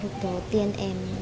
lúc đó tiền em